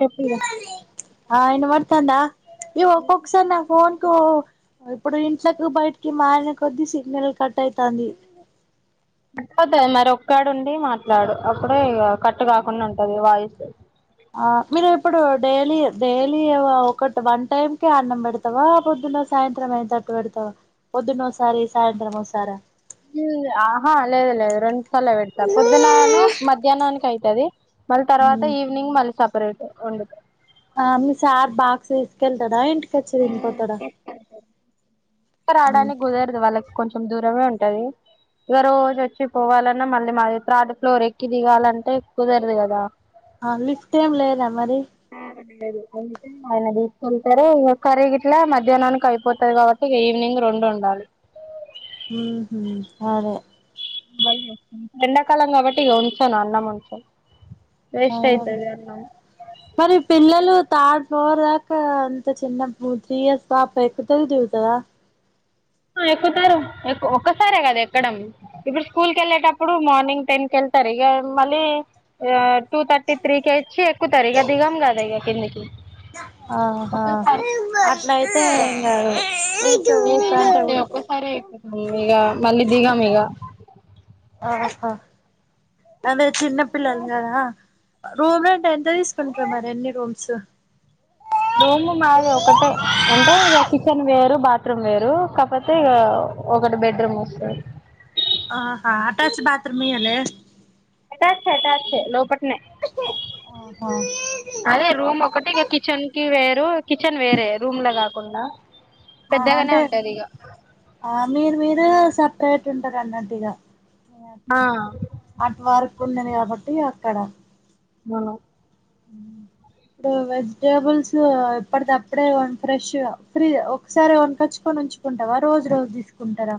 చెప్పిగా hello ఆ ఇనవాడ్తాందా ఇ ఒక్కొక్క సారి నా ఫోన్కు ఇప్పుడు ఇంట్లకు బయటికి మారిన కొద్దీ సిగ్నల్ కట్ అయితంది పోతది మరి ఒక్కాడుండి మాట్లాడు అప్పుడే ఇగ కట్టు కాకుండా ఉంటది వాయిస్ ఆ మీరు ఇప్పుడు డైలీ డైలీ ఒకటి వన్ టైమ్ కి అన్నం పెడతావా పొద్దున్న సాయంత్రం అయితట్టు పెడతావా పొద్దునోసారి సాయంత్రం ఒసారా ఆ హా లేదు లేదు రెండు సార్ పెడతా పొద్దున్నను మధ్యాహ్నానికి అయితు ంటది మళ్ తర్వాత ఈవినింగ్ మళ్ళీ స రైతే ఒండుతా ఆ మీ సార్ బాక్స్ తీస్కెళ్తడ ఇంట్ కచ్చరీన్పోతడా పరాడానే గుదర దవాల కొంచెం దూరమే ఉంటది ఇగా రోజు వచ్చి పోవాలన్నా మళ్ళీ మాది త్రాడ్ ఫ్లోర్ ఎక్కి దిగాలంటే కుదరదు కదా ఆ లిఫ్ట్ ఏం లేద మరి దు అయి ఆయన తీసుకెళ్తారు ఇక కరీగిట్లా మధ్యాహ్నానికి అయిపోతది కాబట్టి ఇక ఈవినింగ్ రెండు ఉండాలి మ్మ్ హూ సరే వ ఎండాకాలం కాబట్టి ఇగా ఉంచను అన్నం ఉంచను వేస్ట్ అవును అయితది అన్నం మరి పిల్లలు థర్డ్ ఫ్లోర్ దాకా అంత చిన్న బ త్రీ ఇయర్స్ పాప ఎక్కుతది దిగుతాదా ఎక్కుతారు ఎక్ ఒక్కసారే కదా ఎక్కడం ఇప్పుడు స్కూల్ క వెళ్ళేటప్పుడు మార్నింగ్ టెన్ క వెళ్తారు ఇగా మళ్ళీ టూ థర్టీ త్రీ కే ఇచ్చి ఎక్కుతారే ఇగ దిగం కాదా కిందికి అ ఆహా అట్లా అయితే ఇంగా నేనైనా అంతే ఒక్కసారి ఎక్కుతం ఇగా మళ్ళీ దిగాం ఇగా ఆహా అదే చిన్నపిల్లలు కదా రూమ్ రెంట్రూఎంత తీసుకుంటారు మరి ఎన్ని రూమ్స్ రూమ్ మాది ఒకటే అంటే కిచెన్ వేరు బాత్రూమ్ వేరు కాకపోతే ఇగాఒకటి బెడ్రూమ్ వస్తంది ఆహా అటాచ్ బాత్రూమ్ ఇయ్యలే టచ్చే టచ్ లోపటి స్నే ఆహా అరే రూమ్ ఒకటి కిచెన్ కి వే కిచెన్ వేరే రూమ్ ల కాకుండా ఆహ పెద్దగానే అంటే ఉంటది ఇక ఆ మీరు మీరు సపరేట్ ఉంటది అన్నట్టు ఈగ ఆ అట్వర్ ఉండది కాబట్టి అక్కడ మా మ ఇప్పుడు వెజిటేబుల్స్ ఎప్పటి అప్పుడే ఫ్రెష్ ఫ్రీ ఒకసారిన్ కచ్చుకొని ఉంచుకుంటావా రోజు రోజు తీసుకుంటారా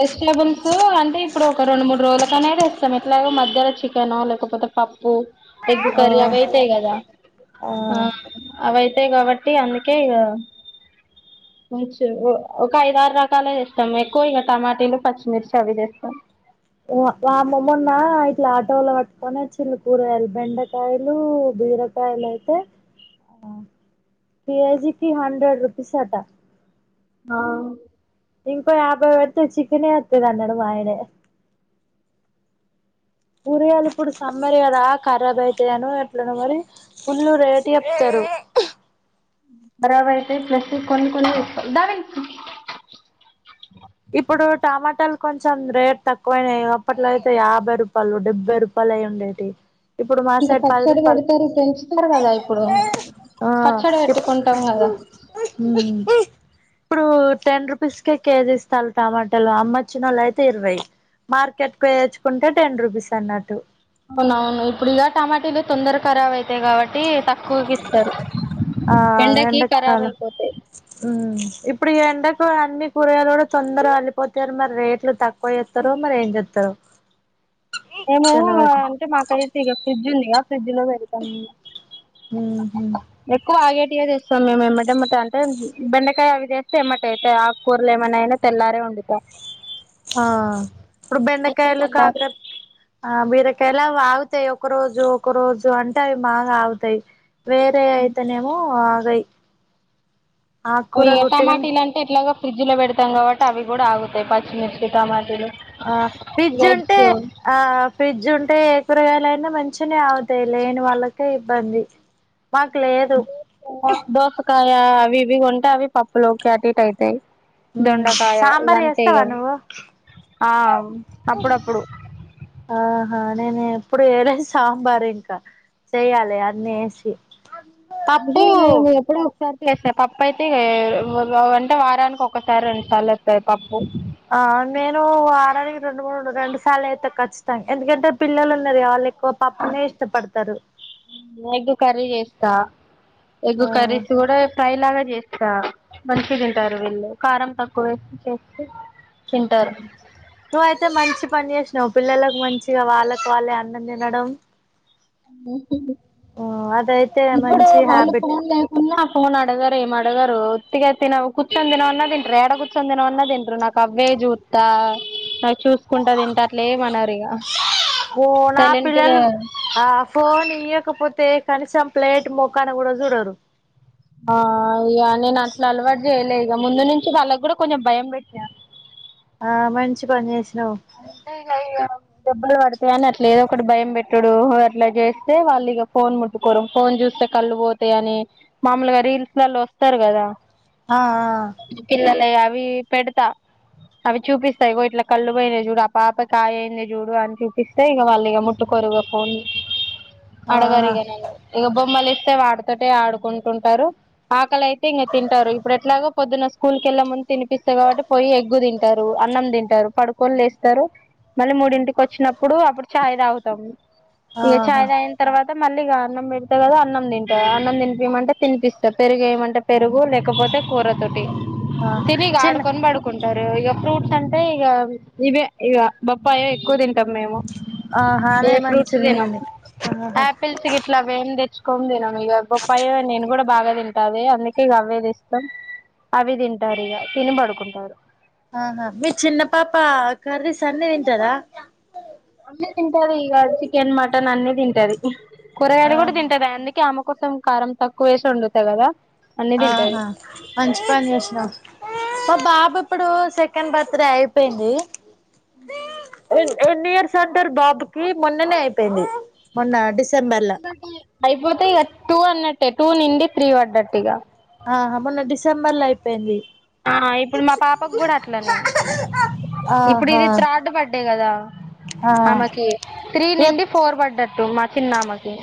వెజిటెబుల్స్ అంటే ఇప్పుడు ఒక రెండు మూడు రోజులకనే ఎట్లాగో మధ్యలో చికెన్ లేకపోతే పప్పు ఎగ్ ఆ కర్రీ అవైయితేయి కదా ఆ అవి అయితే కదా ఉంటె కాబట్టి అందుకే ఇగ ఒక ఐదు రకాలు ఇస్తాం ఎక్కువ ఇగ టమాటిలు పచ్చిమిర్చి అవి చేస్తాం వామ్మో మొన్న ఇట్లా ఆటోల పట్టుకొని చిల్లు కూరయలు బెండకాయలు బీరకాయలు అయితే ఆ కేజీకి హండ్రెడ్ రూపీస్ అట హ ఇంకో యాభై పెడితే చికెనే అత్తది అన్నాడు మా ఆయనే కూరగాలు ఇప్పుడు సమ్మర్ కదా ఖరాబ్ అయితను ఎట్లానో మరి ఫుల్లు రేట్ చెప్తారు ఖరాబ్ అయితే ప్లస్ కొన్ని కొన్ని తెచు ఇప్పుడు టమాటాలు కొంచెం రేట్ తక్కువయినాయి అప్పట్లో అయితే యాభై రూపాయలు డెబ్బై రూపాయలు అయి ఉండేవి ఇంకా పచ్చడి పెడితది పెంచుతారు కదా ఇప్పుడు ఆ పచ్చడి పెట్టుకుంటాం కదా ఇప్పుడు టెన్ రూపీస్ కేజీ ఇ బస్తాలు టమాటాలు అమ్మోచ్చిన వాళ్ళు అయితే ఇరవై మార్కెట్ పోయి తెచ్చుకుంటే టెన్ రూపీస్ అన్నట్టు అవునవును ఇప్పుడు ఇక టమాటలు తొందర ఖరాబ్ అయితాయి కాబట్టి తక్కువకి ఇస్తరు ఆ ఎండ కాల ఇప్పుడు ఈ ఎండకు అన్ని కూరగాయలు కూడా తొందరగా వడలిపోతారు మరి రేట్లు తక్కువ చేస్తారో మరి ఏం చెస్తారో మేము అంటే మాకైతే ఇగ ఫ్రిడ్జ్ ఉందిగ ఫ్రిడ్జ్ లో పెడతాం ఎక్కువ ఆగే [unintelligible] చేస్తాం మేము ఏమ్మటెమ్మటే అంటే బెండకాయ అవి చేస్తే ఎమ్మటే అయితాయ్, ఆకుకూరలు ఏమైనయినా తెల్లారే వండుతా. ఆ ఇప్పుడు బెండకాయలు కాకర్ ఆ బీరయ్ తెలా వాగుతాయి ఒక రోజు ఒక రోజు అంటే అవి బాగా ఆగుతాయి వేరే అయితేనేమో ఆగయ్. వియ్యి టమాటీలు అంటే ఎట్లగో ఫ్రిడ్జ్ లో పెడతాం కాబట్టి అవి కూడా ఆగుతాయి పచ్చిమిర్చి టమాటీలు ఆ ఫ్రిడ్జ్ వెజ్ ఉంటే ఆ ఫ్రిడ్జ్ ఉంటే కూరగాయలైనా మంచిగనే ఆగుతాయి లేని వాళ్ళకే ఇబ్బంది మాకు లేదు దోసకాయ దోసకాయ్ యా అవి ఇవి కొంటే అవి పప్పులోకి అటిటు అయితాయ్ దొండకాయ సాంబార్ ఇగంతే ఇగ చేస్తావా నువ్వు ఆ అప్పుడప్పుడు. ఆహా నేను ఎప్పుడు చేయలె సాంబార్ ఇంకా చెయ్యాలి అన్నీ వేసి అంటే పప్పు ఇ [unintelligible] ఎప్పుడో ఒకసారి చేస్స పప్పు అయితే వ వంటే వారానికి ఒక్కసారి రెండు సార్లు వస్తాది పప్పు ఆ నేను వారానికి రెండు మూడు రెండు సార్లు అయితే ఖచ్చితం ఎందుకంటే పిల్లలు ఉన్నది వాళ్ళ ఒక పప్పునే ఇష్టపడతరు స్త ఎగ్ కర్రీస్ కూడా ఫ్రై లాగా చేస్ ఇగ మంచిగ తింటారు వీళ్ళు కారం తక్కువ వేసి చేస్తే తింటారు నువ్వు అయితే మంచి పనిచేసినవ్ పిల్లలకు మంచిగా వాళ్ళకు వాళ్ళే అన్నం తినడం ఆ అదైతే ఇప్పుడు మంచి వాళ్ళు హ్యాబిట్ ఫోన్ లేకున్నా ఫోను అడగరు ఏం అడగరు ఒత్తిగా తిన కూర్చొని తినమన్నా తింటరు ఏడ కూర్చొని తినమన్నా తింటరు నాకు అవ్వే చూతా చూసుకుంటా తింట అట్లే ఏమనరు ఇక ఓ నా సైలెంట్గా పిల్లలు ఆ ఫోన్ ఇయ్యకపోతే కనీసం ప్లేట్ మోకాన కూడా చూడరు ఆ ఇయ్య నేను అట్లా అలవాటు చేయలే ఇక ముందు నుంచి వాళ్ళకి కూడా కొంచెం భయం పెట్టిన ఆ మంచి పని చేసి అంటె ఇగ [unintelligible] దెబ్బలు పడతాయి అని అట్లా ఏదో ఒకటి భయం పెట్టడు అట్లా చేస్తే, వాళ్ళు ఇక ఫోన్ ముట్టుకోరు ఫోన్ చూస్తే కళ్ళు పోతా అని, మామూలుగా రీల్స్ లలో వస్తారు కదా ఆ పిల్లల అవి పెడతా అవి చూపిస్తాయి ఇగొ ఇట్లా కళ్ళు పోయిన చూడు అపాప కాయయింది చూడు అని చూపిస్తే ఇక మళ్ళీ ఇక ముట్టు కొరు ఇగపో ఆ ఆహా హడగరిగా న ఇ బొమ్మల ే వాడుతోటె ఆడుకుంటుంటారు, ఆకలి అయితే ఇంక తింటారు ఇప్పుడు ఎట్లాగా పొద్దున్న స్కూల్ కెళ్ళ ముందు తినిపిస్తా కాబట్టి పోయి ఎగ్గు తింటారు, అన్నం తింటారు పడుకోని లే వస్తారు మళ్ళీ మూడింటికి వచ్చినప్పుడు అప్పుడు చాయ్ తాగుతాం ఏ ఆహా చాయ్ తగిన తర్వాత మళ్ళీగా అన్నం పెడతే కదా అన్నం తింట, అన్నం తినిపియమంటే తినిపిస్తా, పెరుగు ఏయమంటే పెరుగు లేకపోతే కూర తోటి ఆహా తినీగ చిన్న ఆడ్కొ బడుకొ ఇతారు ఇ ఫ్రూట్స్ అంటే ఇగా ఇవే ఇక బప్పాయో ఎక్కువ తింటాం మేము ఆహా ఏ అదే ఫ్రూట్స్ మంచిది తినం అని ఆహా ఆపిల్స్ గిట్లా అవేమి తెచ్చు కొందినా మీగ బోప్పాయ నేను కూడా బాగా తింటాది అందుకేగా అవే దెస్తాం అవి తింటారు ఇగ తిని పడుకుంటారు ఆహా మీ చిన్న పాప కర్రీస్ అన్నీ తింటదా అన్నే తింటాది ఇగ చికెన్ మటన్ అన్నీ తింటాది కూరగాయలు ఆహా కూడా తింటాది అందుకే ఆమెకో తం కారం తక్కువ వేసి ఉండుతా కదా అన్ని తింటది ఆహా మంచి పని జేషినా మా బాబు ఇప్పుడు సెకండ్ బర్త్ డే అయిపోయింది ఎన్ ఎన్ని ఇయర్స్ అంటారు బాబుకిి మొన్ననే అయిపోయింది మొన్న డిస్ అయిపోతే ఇక టూ అన్నట్ టే టూ నుండి త్రీ పడ్డట్టు ఇగా ఆ మొన్న డిసెంబర్ లో అయిపోయింది ఆ ఇప్పుడు మా పాపకు కూడా అట్లనే ఇప్పుడు ఆహా ఇది త్రాడ్ బడ్డే కదా ఆ ఆమెకి త్రీ ఇగ నిండి ఫోర్ పడ్డట్టు మా చిన్నామకి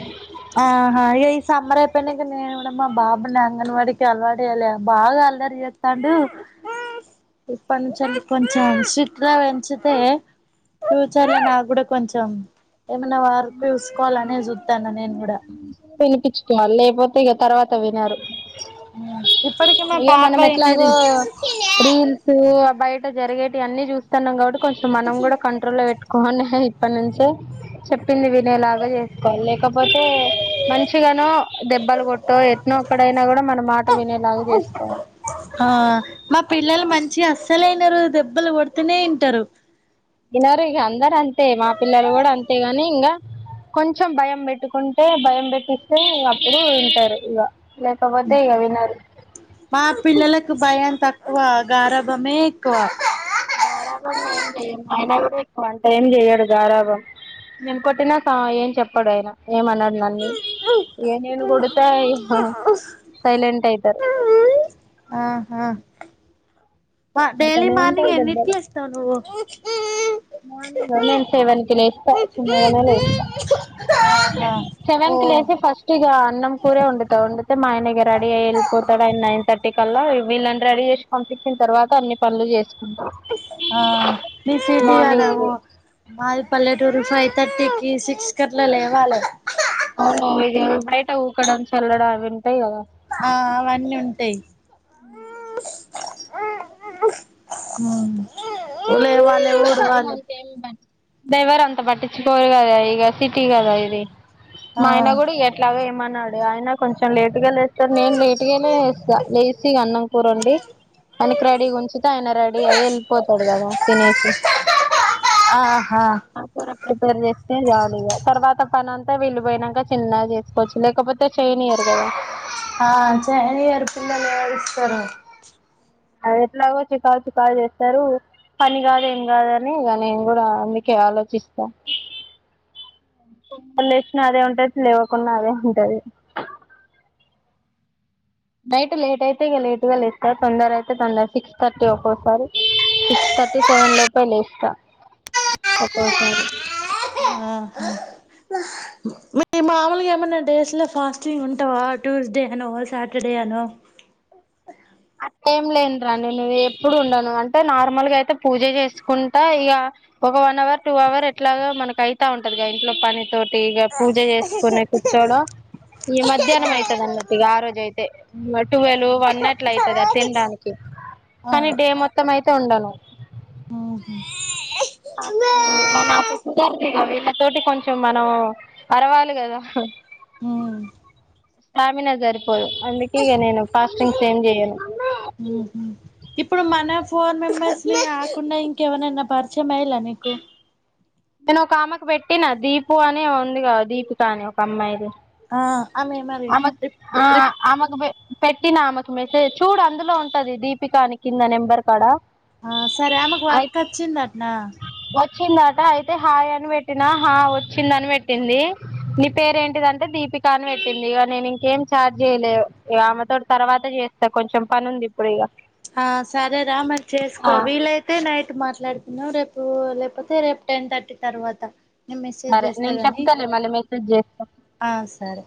తనకి నేను కూడా మా బాబాని అంగన్వాడికి అలవాటు చేయాలి బాగా అల్లరి చేత్తాండు ఇప్పటి నుంచెల్లి కొంచెం సిట్గా పెంచితే ఫ్యూచర్ లో నాకు కూడా కొంచెం ఏమైనా వర్క్ చూసుకోవాలనే చూత్తానా నేను వినిపించుకోవాలి లేకపోతే ఇక తర్వాత వినరు ఇప్పుటికి మా ఇక పాప మనం ఎట్లాగో ఎన్నది రీల్స్ బయట జరిగేటి అన్ని చూస్తున్నాం కాబట్ కొంచెం మనం కూడా కంట్రోల్ లో పెట్టుకొని ఇప్పడ్నుంచే చెప్ పింది వినేలాగా చేసుకోవాలి లేకపోతే మంచిగానో దెబ్బలు కొట్టో ఎట్నో ఒక్కడైనా కూడా మన మాట వినేలాగా చేసుకోవాలి ఆ మా పిల్లలు మంచిగ అస్సలు ఇనరు దెబ్బలు కొడుతూనే ఇంటారు వినరు ఇగ అందరు అంతే మా పిల్లలు కూడా అంతేగాని ఇంగా కొంచెం భయం పెట్టుకుంటే భయం పెట్టిస్తే ఇగ అప్పుడు వింటారు ఇగ మా పిల్లలకు భయంతకు ఆ గారబమే ఎక్కువ గారాబం ఏంజెయం ఐన గూడ అంట ఏం చెయ్యడు గారాబం నేను కొట్టినాక ఏం చెప్పడు ఆయన ఏమన్నాడు నన్ని ఏ నేను కొడితే ఆ సైలెంట్ అయి సరే ఆహా మా డైలీ పడతనే ఉంటాయి మార్నింగ్ ఎన్నింటికి దెబ్బలు లేస్తావు నువ్వు మార్నింగ్ నేను సెవెన్ కి లేస్తా చిన్నగా లేస్తా ఆహా సెవెన్ ఓ కి లేచి ఫస్ట్ ఇగ అన్నం కూరే వండుతా ఒండితే మా ఆయన రెడీ అయి వెళ్ళిపోతడు ఆయన నైన్ థర్టీ కల్లా వీళ్ళని రెడీ చేసి పంపించిన తర్వాత అన్ని పనులు చేసుకుంటా ఆ మీ సిటీ గద మార్నింగ్ ఓ మాది పల్లెటూరు సై థర్టీకి సిక్స్ కట్లా లేవాలే అవును ఇగ ఇపుడైతే ఊక్కడంత చల్లడా అవి ఉంటాయి కదా ఆ అవన్నీ ఉంటయి [inaudible] అంతే ఏముండది దవడ అంత పట్టించుకోడు కదా ఇక సిటీ కాదండీ ఆ మాయన కూడ ఎట్లా మీరు అన్నాడు ఆయన కొంచెం లేటు గా లేస్తాడు నేను లేటుగే లేస్తా లేసి అన్నంకూరొండి మనకి రెడీగా ఉంచితే ఆయన రెడీ అయి వెళ్ళిపోతాడు కదా తినేసి ఆహా ప్రిపేర్ చేస్తే జాలీగా తర్వాత పని అంతా వెళ్ళిపోయినక చిన్నగా చేసుకోవచ్చు లేకపోతే చైనియర్ కదా ఆ చెయ్నియరు పిల్లలు ఏడుస్తరు అది ఎట్లాగో చుకాలు చుకాలు చేస్తారు పని కాదు ఏం కాదని ఇగ నేను కూడా అందుకే ఆలోచిస్తా లేచినా అదే ఉంటది లేవకున్న అదే ఉంటది నైట్ లేటు అయితే ఇగ లేట్ గా లేస్తా తొందర అయితే తొందర సిక్స్ థర్టీ ఒక్కోసారి సిక్స్ థర్టీ సెవెన్ లోపే లేస్తా ఒక్కోసారి మ మామూలుగా ఏమైన్నా డేస్ లో ఫాస్టింగ్ ఉంటావా ట్యూస్డే అనో సాటర్డే అనో ఏం లేను రాణి నే ఎప్పుడు ఉండను అంటే నార్మల్గా అయితే పూజ చేసుకుంటా ఇగ ఒక వన్ అవర్ టూ అవర్ ఎట్లాగ మనకైతా ఉంటదిగా ఇంట్లో పని తోటి ఇగ పూజ చేసుకొనే కూర్చోడం ఈ మధ్యాహ్నం ఆ ఐతది అన్నట్టు ఆ రోజు అయితే టువెల్ వనట్ల అయి లేదా తినడానికి కానీ డే మొత్తం అయి ఉండడు మ్మ్ హ్మ్ ఫాస్టింగు ఇగ నాకు కూడా ఇగ వీళ్లకి తోటి కొంచెం మనం అరవాలి కదా మ్మ్ స్వామినగర్ కే అందుకే ఇగ నేను ఫాస్టింగ్స్ ఏం చేయను ఉహు ఇప్పుడు మన ఫోర్ మెంబర్స్ ని కాకుండా ఇంకెవరినైనా పరిచయం అయిండ్ల నీకు నేను ఒక ఆమెకు పెట్టినా దీపు అని ఉంది కా దీపిక అని ఒక అమ్మాయి ఆ ఆమె ఏమన్న రిచ్ ఆ కి ఆమెకు పె పెట్టిన ఆమెకు మెసేజ్ చూడు అందులో ఉంటది దీపికని కింద నెంబర్ కాడ ఆ సరే ఆమెకు వర్క్ వచ్చింద అటనా చిన్నయితే అయితే హాయ్ అని పెట్టినా హా వచ్చిందని పెట్టింది నీ పేర ఏంటిదంటే దీపిక అని పెట్టింది ఇక నేను ఇంకేం చాట్ చేయలేదు ఇక ఆమెతోటి తర్వాత చేస్తా కొంచెం పని ఉంది ఇప్పుడు ఇక ఆ సరేరా మరి చేసుకో ఆ వీలైతే నైట్ మర్ మాట్లాడుకుందాం రేపూ లేపోతే రేపు టెన్ థర్టి తర్వాత. నేను మెసేజ్ సరే చేస్తా నేను గాని చెప్తాలే మళ్ళీ మెసేజ్ చేస్త. ఆ సరే